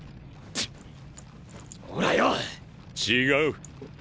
違う。